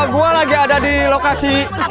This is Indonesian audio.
gua lagi ada di lokasi